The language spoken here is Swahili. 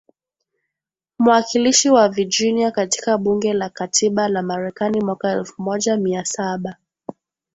mwakilishi wa Virginia katika bunge la katiba la Marekani mwaka elfu moja mia saba